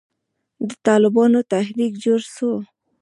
د طالبانو تحريک جوړ سو.